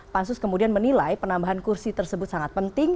pansus kemudian menilai penambahan kursi tersebut sangat penting